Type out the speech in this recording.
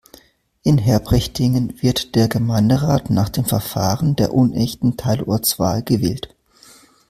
In Herbrechtingen wird der Gemeinderat nach dem Verfahren der unechten Teilortswahl gewählt.